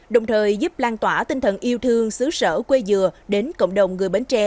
đồng thời giúp lan tỏa tinh thần yêu thương xứ sở quê dừa đến cộng đồng người bến tre